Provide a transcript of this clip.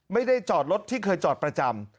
ไม่ได้จอดรถที่เคยจอดประจำ